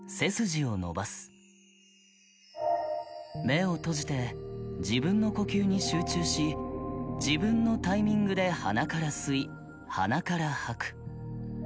目を閉じて自分の呼吸に集中し自分のタイミングで鼻から吸い鼻から吐く。